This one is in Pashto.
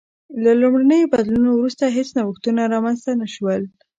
له لومړنیو بدلونونو وروسته هېڅ نوښتونه رامنځته نه شول